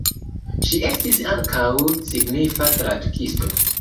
Ŝi estis ankaŭ signifa tradukisto.